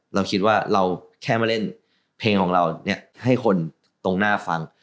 เราคิดว่าเราแค่มาเล่นเพลงของเราเนี่ยให้คนตรงหน้าฟัง